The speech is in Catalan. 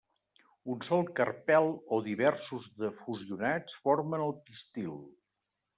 Un sol carpel o diversos de fusionats formen el pistil.